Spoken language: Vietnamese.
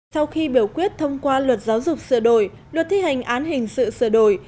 sau khi biểu quyết thông qua luật giáo dục sửa đổi luật thi hành án hình sự sửa đổi